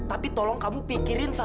atau enggak dosa